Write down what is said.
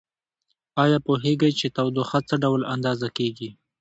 ایا پوهیږئ چې تودوخه څه ډول اندازه کیږي؟